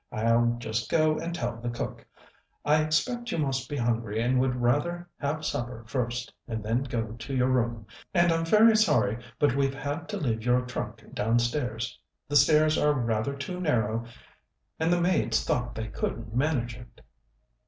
"I'll just go and tell the cook. I expect you must be hungry, and would rather have supper first, and then go to your room. And I'm very sorry, but we've had to leave your trunk downstairs. The stairs are rather too narrow, and the maids thought they couldn't manage it."